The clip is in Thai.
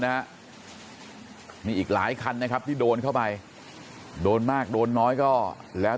นะฮะมีอีกหลายคันนะครับที่โดนเข้าไปโดนมากโดนน้อยก็แล้ว